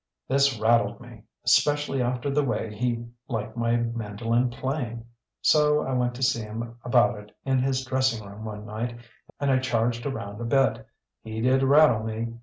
This rattled me, specially after the way he liked my mandolin playing. So I went to see him about it in his dressing room one night, and I charged around a bit. He did rattle me!